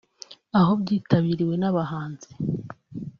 aho byitabiriwe n’abahanzi